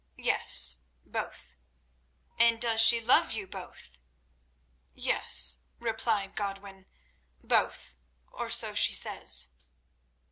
"Yes, both." "And does she love you both?" "Yes," replied Godwin, "both, or so she says."